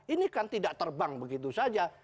ini kan tidak terbang begitu saja